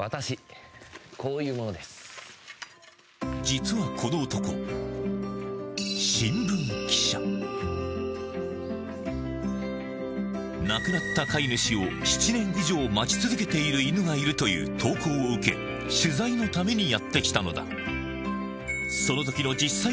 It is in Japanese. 実はこの男亡くなった飼い主を７年以上待ち続けている犬がいるという投稿を受け取材のためにやってきたのだその時のそこには